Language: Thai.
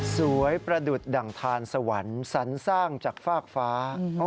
ประดุษดั่งทานสวรรค์สรรสร้างจากฟากฟ้า